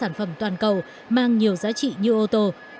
sản phẩm toàn cầu mang nhiều giá trị như ô tô